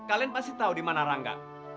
kalian pasti tahu dimana rangga